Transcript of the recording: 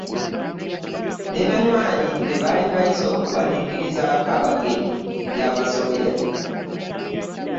Ne banywanyi be baali bayise okubaaniririzaako abagenyi byabasobera